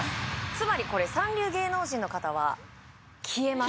つまりこれ三流芸能人の方は消えます